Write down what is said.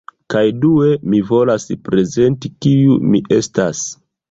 Kaj due, mi volas prezenti kiu mi estas